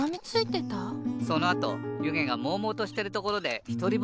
そのあとゆげがもうもうとしてるところでひとりぼっちに。